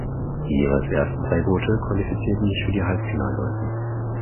Die jeweils ersten drei Boote qualifizierten sich für die Halbfinalläufe.